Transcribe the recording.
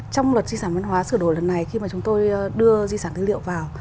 trong luật di sản văn hóa sửa đổi lần này khi mà chúng tôi đưa di sản tư liệu vào